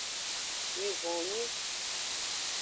Wivonnyui.